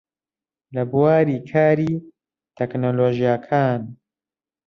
لە بواری کاری تەکنۆلۆژیاکان